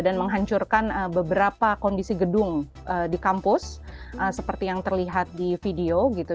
dan menghancurkan beberapa kondisi gedung di kampus seperti yang terlihat di video gitu